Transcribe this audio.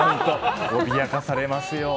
脅かされますよ。